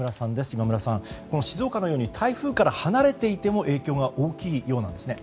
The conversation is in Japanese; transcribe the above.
今村さん、静岡のように台風から離れていても影響が大きいようなんですね。